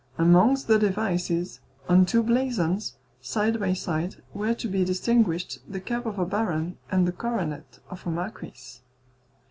Amongst the devices, on two blazons, side by side, were to be distinguished the cap of a baron and the coronet of a marquis.